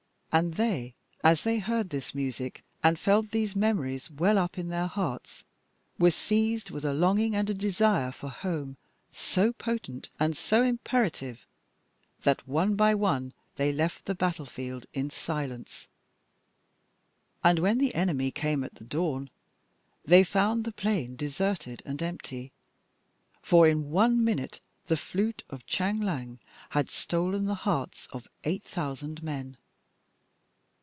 And they, as they heard this music, and felt these memories well up in their hearts, were seized with a longing and a desire for home so potent and so imperative that one by one they left the battlefield in silence, and when the enemy came at the dawn, they found the plain deserted and empty, for in one minute the flute of Chang Liang had stolen the hearts of eight thousand men.